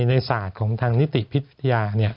ในศาสตร์ของทางนิติพิทยา